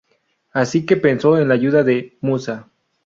Así que pensó en la ayuda de Musa.